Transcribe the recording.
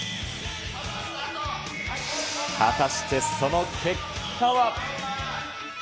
果たしてその結果は。